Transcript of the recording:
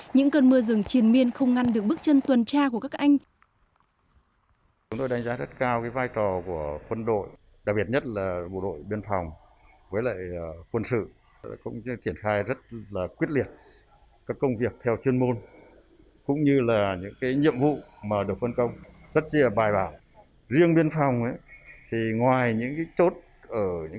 những cơn mưa rừng triền miên không ngăn được bước chân tuần tra của các anh